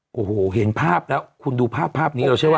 โอ้โหเห็นภาพแล้วคุณดูภาพภาพนี้เราเชื่อว่า